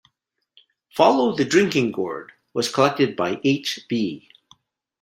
"Follow the Drinking Gourd" was collected by H. B.